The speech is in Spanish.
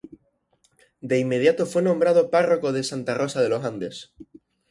De inmediato fue nombrado párroco de Santa Rosa de Los Andes.